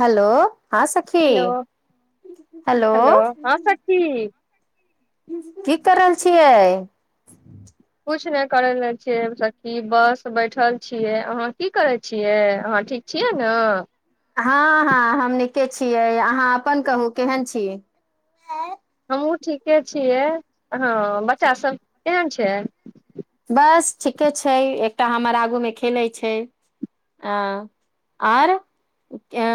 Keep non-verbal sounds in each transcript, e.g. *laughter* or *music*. Hello हँ सखी hello hello हँ सखी की कर रहल छियै किछु नहि करि रहल छियै बस बैठल छियै अहाँ की करै छियै अहाँ ठीक छियै ने हँ हँ हम नीके छियै अहाँ अपन कहू केहन छी हमहुँ ठीके छियै। हँ बच्चा सब केम छै बस ठीके छै एकटा हमर आगूमे खेलैत छै अ आओर अ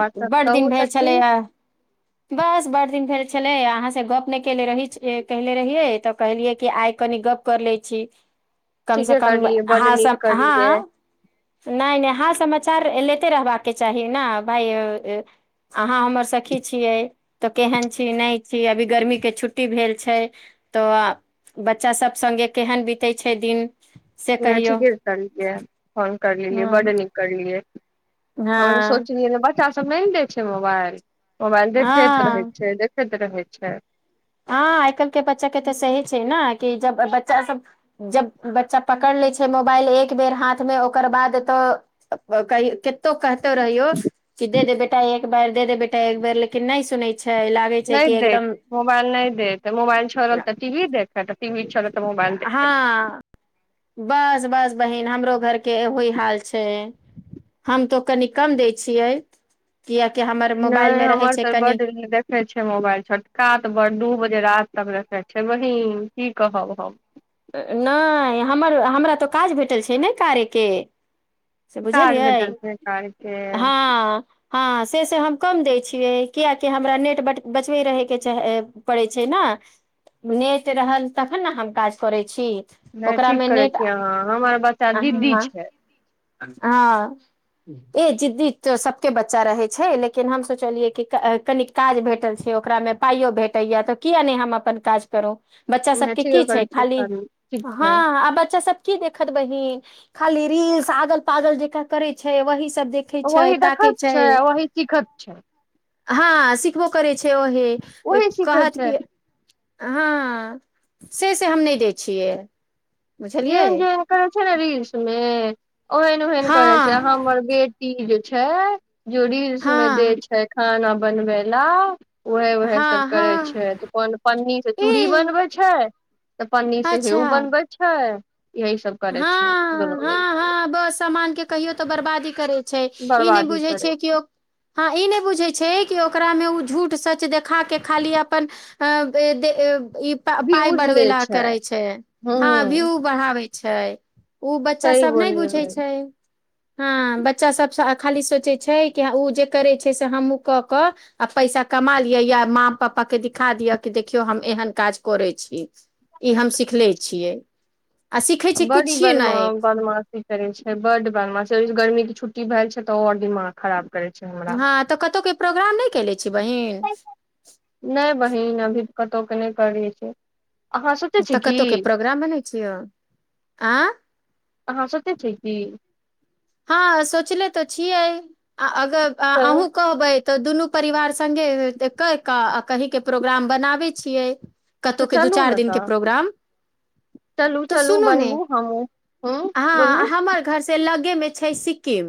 और सब बड्ड कहू दिन भेल सखी छलैए बस बड़ दिन भेल छलै अहाँसँ गप्प नहि कनेे रही कहनेे रहियै तऽ कहलियै कि आइ कनि गप्प कर लैत छी कम से ठीके कम करलियै बड अहा नीक सभ हँ करलियै हँ नहि नहि हाल समाचार लेते रहबाक चाही ने भाय अहाँ हमर सखी छियै तऽ केहन छी नहि छी अभी गर्मी के छुट्टी भेल छै तऽ बच्चा सब सगे केहन बीते छै दिन से ह कहियौ ठीके करलियै फोन कर लेलियै बड हँ नीक करलियै हमे तऽ हँ सोचलियै ने ब अच्छा सब नहि दै छै मोबाइल मोबाइल देखैत हँ रहैैत छैय देखैत रहै छै हँ आइ काल्हि के बच्चा के तऽ सही छै ने कि जब बच्चा सब जब बच्चा पकड़ लै छै मोबाइल एक बेर हाथ मे ओकर बाद तऽ कतो कतो रहीयो किधे दे बैठे एक बार दे बेटा एक बार लेकिन नहि सुनै छै लागै छै कि एकदम मोबाइल नहि दैत मोबाइल चलल तऽ टी वी देखत टी वी चलत तऽ मोबाइल देखत हँ बस बस बहिन हमरो घरके ओहि हाल छै हम तो कनि कम दै छियै कियकि हमर मोबाइल नहि मे रहै हमर छै त कनि बड देखने छ मोबाइल छोटका तऽ बडडूज जे रति तक रखे छै बहीन की कहब हम नहि हमर हमरा तऽ काज भेटल छै नहि कारयके से काज बुझलियै भेटल छै काज के हँ हँ से से हम कम देय छियै कियाकि हमरा नेट बचबे रहे के रहये पड़े छै ने नेट रहल तखन ने हम काज करय छी नहि ठीक ओकरामे करैत नेट छिये अहाँ हमर बच्चा दीदी हँ छै हँ ए जिद्दी तऽ सभके बच्चा रहैत छै लेकिन हम सोचलियै कि कन काज भेटल छै ओकरामे पाइयो भेटैएा तऽ किया नहि हम अपन काज करू बच्चा नहि सबके ठीके की करै छै छियै खाली करू ठीक हँ छै आब बच्चा सब की देखत बहिन खाली रील्स सागल पागल जेक करे छै वही सब देखे छै वही ताकै देखत छै वही सिखत छै हँ सिखबो करै छै ओहे वही सीखैत कहत छै कि हँ से से हम नहि दै छियै बुझलियै जेन जे करै छै ने रीलस मे ओहन ओहन हँ करे छै हमर बेटी जे छै जोड़ी सम दे हँ छै खान बनबै ल ओह उहे हँ सभ करै हँ छै तऽ को पन्नीसँ चूड़ी ई बनबै छै तऽ पनीर से हे अच्छा बनबै ह यही सब करै छै हँ दूनू मिल हँ केँ हँ बस सामान के कहियो तऽ बर्बादी करे छै ई नहि बुझै करै छैियै किओ हँ ई नहि बुझै छै कि ओकरामे ओ झूठ सच देखा के खाली अपन अ दे ई पााय व्यूज बढ़बे लै ला करे छै हँ भी हूँ उ बढ़ावे छै ओ बच्चा सही सब नहि बोललियै बुझै बहिन छै हँ बच्चास सभसँ खाली सोचै छै कि ओ जे करै छै से हमहूँ कऽ कऽ आ पैसा कमा लिअ या माँ पाप्पाकेँ दिखा दिअ कि देखियौ हम एहन काज करै छी ई हम सिख लै छियै आ सिखै छी बडी किछु बदमा नहि बदमाशी करै छै बड बदमाशी कर गरमी छूट्टी भेल छै तऽ और दिमाग खराब करै छै हमरा हँ तऽ कतहु के प्रोग्राम नहि केले छी बहिन नहि बहिन अभी कतहु के नहि करै छै अहाँ सोचै छी तऽ की कतहुके प्रोग्राम बनै छियै आँय अहाँ सोचै छिय की हँ सोचले तो छियै आ त तऽ अहूँ कहबै तऽ दुनू परिवार सङ्गे कहि कऽ आ कहीके प्रोग्राम बनाबैत छियै कतहु तऽ के दू चलू चारि ने दिन के तऽ प्रोग्राम चलू तऽ चलू सुनू ने बनबू हमहूँ हूँ ह बोलू हमर घर से लग के मैच छै सिक्किम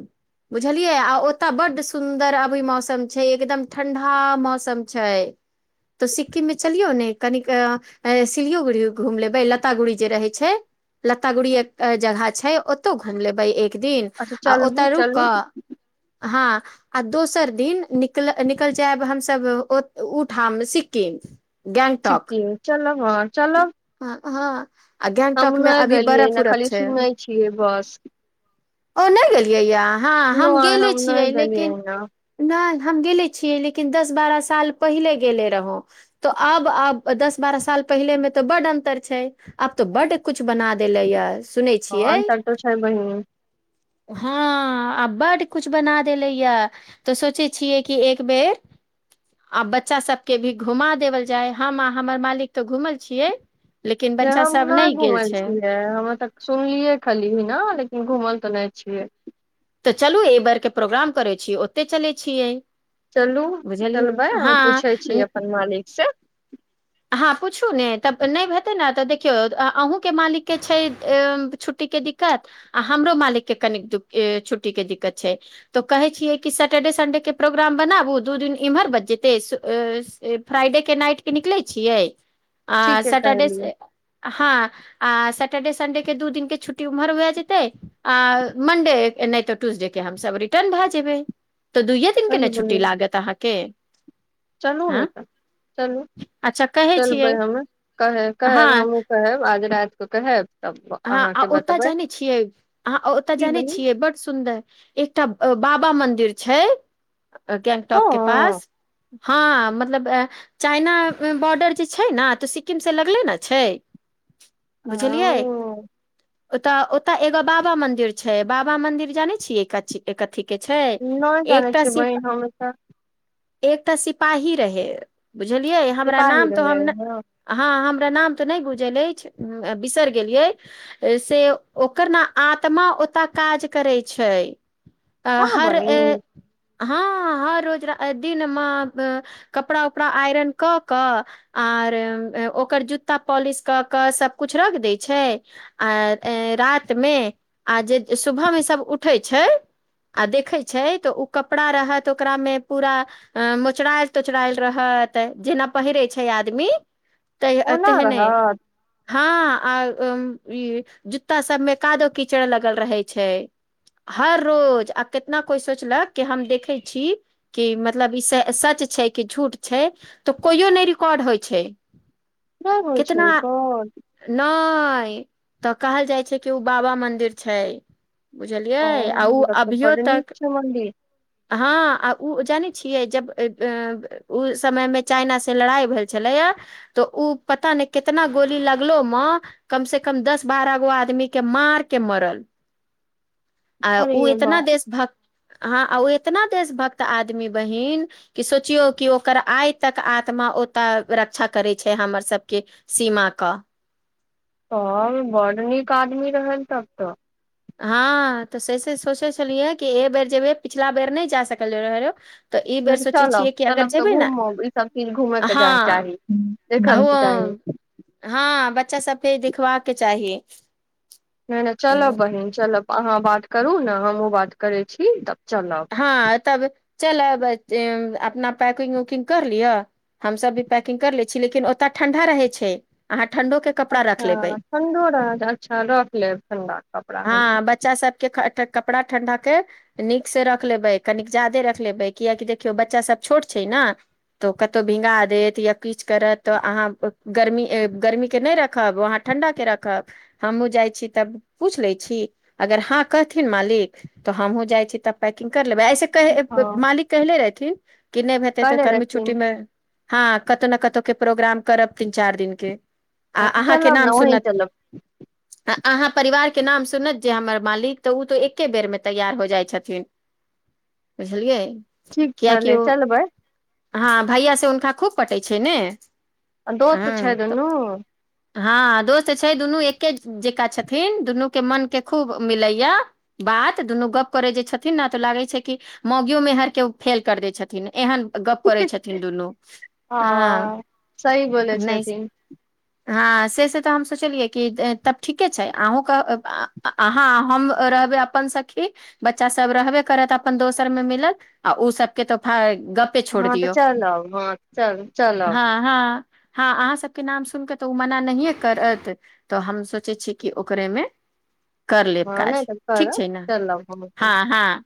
बुझलियै आ ओत बड सुन्दर अभी मौसम छै एकदम ठंडा मौसम छै तो सिक्किम मे चलियौ ने कनिक सिलोगुड़ी घूम लेबे लता गुड़ी जे रहे छै लता गुड़ी जगह छै ओतौ घूम लेबे एक दिन अच्छा आ चलबू ओतय रुक चलू कऽ हँ आ दोसर दिन निकल निकल जायब हमस उठाम सिक्किम गैंगटॉक सिक्किम चलअ हँ चल हँ आ हम गैंगटॉक मे नहि अभी बर्फ गेलियैना उरफ खाली छै सुनै छियै बस ओ नहि गेलियै यए हँ हम नहि गेले नहि छियै गेलियै लेकिन ने नहि हम गेले छियै लेकिन दस बारह साल पहिले गेले रहौ तो आब आब दस बारह साल पहिले में तऽ बडड अंतर छै आब तो बड कुछ बना देले ये सुनै हँ छियै अन त तो छाय बहिन हँ आ बड्ड किछु बना देलैए तऽ सोचै छियै कि एक बेर आ बच्चा सभके भी घुमा देवल जाय हम आ हमर मालिकके घूमल छियै लेकिन बच्चा हम सब नहि गेल घुमल छै छियै हमे तऽ सुनलियै खली ने लेकिन घुमल सुनै छियै तऽ चलू एहि बेर के प्रोग्राम करै छि यै ओते चले छियै चलू बुझलियै चलबै हम पूछै हँ छी अपन मालिक स हँ पूछू ने तब नहि हेते ने तऽ देखियौ अहूँ के मालिक के छै छुट्टी के दिक्कत आ हमरो मालिक के कन छुट्टी के दिक्कत छै तो कहे छियै कि सेटर्डे सडे छियै आ ठीके सटरडे कहलियै से हां आ सैटरडे संडे के दू दिन के छुट्टी उम्हर भए जेतै आ मनडे नहि तऽ ट्यूजडे के हमसब रिटर्न भय जेबै तऽ दुइये दिन के ने सही छुट्टी बोललियै लागत अहाँके चलू हँ ने तऽ चलू अच्छा कहै छियै चलबै हमे कहे हँ कहेब हमहुँ कहेब आ रात क कहब तब हँ आ अहाँके ओतऽ बतेबै जाने छियै अहां ओतय की जाने बहिन छियै बड सुन्दर एकटा बाबा मन्दिर मिर छैइ गेंगटोक के हँ पास हँ मतलब चाइना बॉर्डर जे छै ना तऽ सिक्किम से लगले न छैइ औ ओतऽ ओतय एगो बाबा मंदिर छै बाबा मंदिर जानै छियै कची एकथी नहि जानै छियै बहिन हम त एक तऽ सिपाही रहै बुझलियै हमरा सिपाही नाम तऽ रहे हमन हँ हं हम हमरा नाम तऽ नहि गुजल अछि बिसैर गेलिये से ओकर ने आत्मा ओतय काज करै छै आ हँ हर ये बहिन हँ हर रोज दिनमे कपड़ा उपड़ा आइरन कऽ कऽ आर ओकर जूत्ता पॉलिश कऽ कऽ सब कुछ रख दै छै आ रातिमे आ जे सुबहमे सब उठै छै आ देखै छै तऽ ओ कपड़ा रहत ओकरामे पूरा मोचरायल तोचरायल रहत जेना पहिरै छै आदमी त ओना तेहने रहत हँ आ अं ई जूता सबमे कादो कीचड़ लगल रहे छै हर रोज आ केतना कोइ सोचलक कि हम देखै छी कि मतलब ई सच छै कि झूठ छै तऽ कोइयो नई रिकॉर्ड होइ छै नहि होइ छै कोन हय तऽ कहल जाइ छै कि ओ बाबा मन्दिर छै बुझलियै आ ओ तब तऽ अभियो बड नीक तक छै मंदिर हां आ उ जानै छियै जब ओइ समय मे चाइना से लड़ाई भेल छलैय त उ पता ने केतना गोली लागलेमेंकम से कम दस बारह गो आदमी के मारके मरल आ अरे ओ इतना बाप देश भक्त हँ आ ओ इतना देशभक्त आदमी बहीन कि सोचियौ कि ओकर आइ तक आत्मा ओतय रक्षा करत छै हमर सभके सीमा क' तहन बड नीक आदमी रहल तब त्तऽ हँ तऽ से से सोचै छलियै कि एहि बेर जेबै पिछला बेर नहि जा सकलीय रहे रहे नहि त'चलब चलब तऽ घूमब इसभ चीज घूमयके जाय हँ चाही देखयके चाही बच् सभकेे देखबा के चाही नहि नहि हम्म। चलब बहिन चलब अहाँ बात करू न हमहुँ बात करै छी तब चलब हँ तब चलब अपना पैकिंग उकिंग कर लिअ हमसब भी पैकिग कर लय छी लेकिन ओतय ठंडा रहय छै अहाँ ठण्डो के कपड़ा रख लेबै अच्छा ठण्ढो रहत अच्छा रख लेब ठण्ढाके कपड़ा हम हँ बच्चा सबके ख- ठ- कपड़ा ठण्डा के नीक से रख लेबै कनिक जादे रख लेबै कियाकी देखियौ बच्चा सभ छोट छै ने तऽ कतहु भींगा देत या किछु करत तऽ अहाँ गर्मी गर्मीके नहि रखब अहाँ ठण्डाके रखब हमहुं जाइ छी तब पूछि लै छी अगर हँ कहथिन मालिक तऽ हमहुँ जाइ छी तब पैकिंग कर लेबै ऐसे कह हँ मालिक कहले रहथिन कि नहि हेते तऽ कहले गर्मी रहथिन छुट्टीमे हँ कतहु ने कतहु के प्रोग्राम करब तीन चारि दिन के आ हं तऽ अहाँके चलब ने नाम सुनत वंही चलब आ- अहाँ परिवार के नाम सुनत जे हमर मालिक तऽ ओ तऽ एके बेर मे तैयार हो जाइ छथिन बुझलियै ठीक कियकि छलै ओ चलबै हँ भैया से हुनका खूब पटय छै ने दोस्त छै हँ तऽ दुनू हँ दोस्त छै दुनू एके जकां छथिन दुनूके मनके खूब मिलैया बात दुनू गप करय जे छथिन तऽ लागै छै कि मौगियो मेहर के ओ फेल कर दै छथिन एहन गप करै छथिन दुनू हँ सही बोलै नहि छथिन हँ से से तऽ हम सोचलियै कि तब ठीके छै अहूँ के अहाँ आ हम रहबय अपन सखी बच्चा सब रहबे करत अपन दोसरमे मिलल आ ओ सब के त भाय गप हँ तऽ चलब हँ चल चलब हँ हँ हँ अहाँसभके नाम सुनि कऽ तऽ ओ मना नहिए करत तऽ हम सोचै छिय ओकरेमे कर लेब हँ नहि काज तऽ ठीक करब छै ने चलब हम सब हँ हँ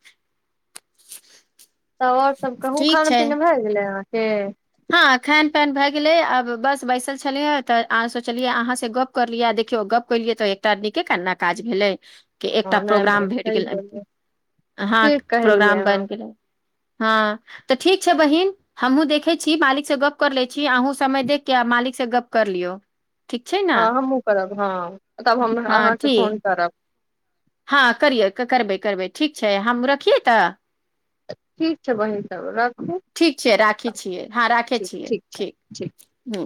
त *unintelligible* सब कहूँ ठीक खान छै पीने भए गेलै हं *unintelligible* हँ खैान पन भए गेलै आब बस बैसल छलियै तऽ आ सोचलियै अहाँ से गप्प करलियै देखियौ गप्प केलियै तऽ एकटा आ नीके कन्ना काज भेलै के एकटा हँ नहि प्रोग्राम बहिन भेट सही गेलै बोललियै हहा ठीक कहलियै प्रोग्राम अहाँ बनि गेलै हँ तऽ ठीक छै बहिन हमहुूँ देखै छी छी मालिक से गप्प कर ले छी अहूँ समय देख के मालिक से गप्प कर लियौ ठीक छै ने हँ हमँ करब हँ तब हम हँ अहाँके फोन ठीक करब हँ करियै करबै करबै ठीक छै हम रखियै तऽ ठीक छै बहिन तब राख ठीक छै राखे छियै हँ राखे छियै ठीक ह